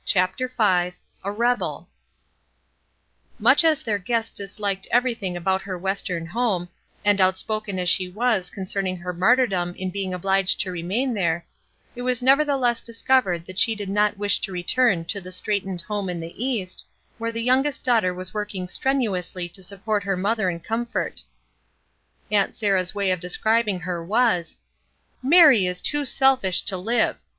CHAPTER V A REBEL MUCH as their guest disliked everything about her Western home, and outspoken as she was concerning her martyrdom in being obhged to remain there, it was nevertheless discovered that she did not wish to return to the straitened home in the East, where the youngest daughter was working strenuously to support her mother in comfort. Aunt Sarah's way of describing her was:— " Mary is too selfish to hve